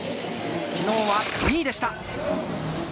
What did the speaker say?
昨日は２位でした。